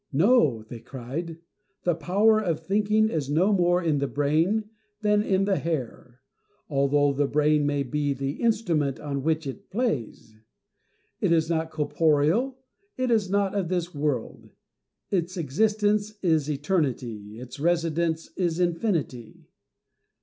" No," cried they, " the power of thinking is no more in the brain than in the hair, although the brain may be the instrument on which it plays. It is not corporeal, it is not of this world ; its existence is eternity, its residence is infinity."